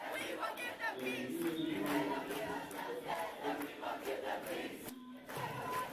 Men jimii jimol leydi ko men jetti ɗiɗo ardiiɓe.